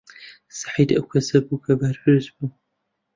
سەعید ئەو کەسە بوو کە بەرپرس بوو.